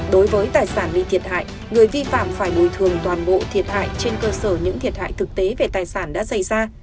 đối với tài sản bị thiệt hại người vi phạm phải bồi thường toàn bộ thiệt hại trên cơ sở những thiệt hại thực tế về tài sản đã xảy ra